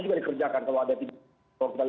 juga dikerjakan kalau ada